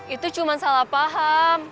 itu cuma salah paham